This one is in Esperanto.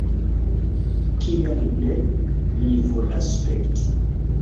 Kial ne? Mi volas spekti